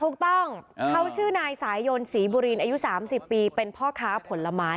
ถูกต้องเขาชื่อนายสายยนศรีบุรินอายุ๓๐ปีเป็นพ่อค้าผลไม้